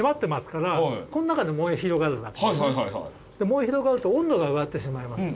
燃え広がると温度が上がってしまいます。